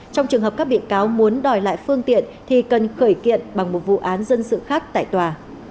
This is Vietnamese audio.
trong trường hợp các bị cáo muốn đòi lại phương tiện thì cần khởi kiện bằng một vụ án dân sự khác tại tòa